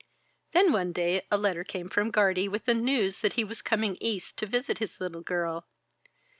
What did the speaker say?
Then one day a letter came from Guardie with the news that he was coming East to visit his little girl.